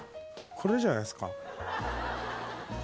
これじゃないですか？